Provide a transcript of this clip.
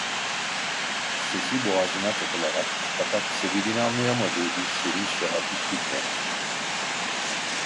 Sesi boğazına takılarak, fakat sebebini anlayamadığı bir sevinç ve hafiflikle: